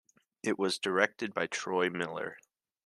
It was directed by Troy Miller.